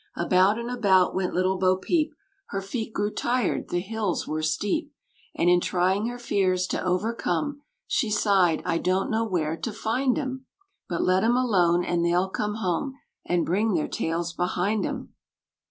About and about went little Bo Peep; Her feet grew tired, the hills were steep; And in trying her fears to overcome She sighed, "I don't know where to find 'em. But let 'em alone, and they'll come home, And bring their tails behind 'em!"